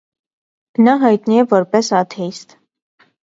Նա հայտնի է որպես աթեիստ։